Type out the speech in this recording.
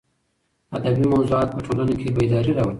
ادبي موضوعات په ټولنه کې بېداري راولي.